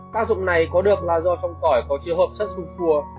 tác dụng này có được là do trong tỏi có chứa hợp chất sung phua